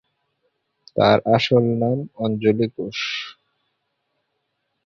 তার আসল নাম অঞ্জলি ঘোষ।